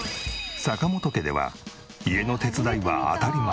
坂本家では家の手伝いは当たり前。